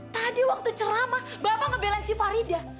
tadi waktu ceramah bapak ngebelain si faridah